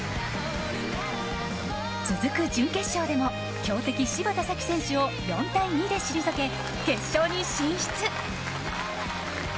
続く準決勝でも、強敵芝田沙季選手を４対２で退け決勝に進出。